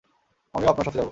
আমিও আপনার সাথে যাব।